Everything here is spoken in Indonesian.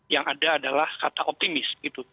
yang ada adalah kata optimis